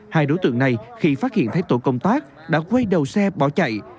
hai đối tượng này khi phát hiện thấy tổ công tác đã quay đầu xe bỏ chạy